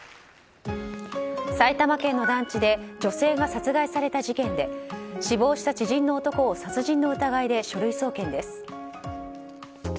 埼玉県の団地で女性が殺害された事件で死亡した知人の男を殺人の疑いで書類送検です。